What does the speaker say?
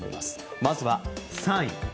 まずは３位。